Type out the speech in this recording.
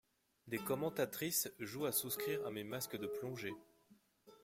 Des commentatrices jouent à souscrire à mes masques de plongée.